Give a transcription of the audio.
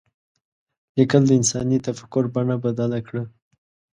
لیکل د انساني تفکر بڼه بدله کړه.